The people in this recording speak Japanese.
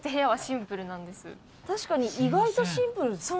確かに意外とシンプルですね。